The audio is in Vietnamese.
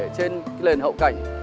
trên lền hậu cảnh